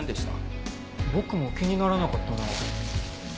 僕も気にならなかったなあ。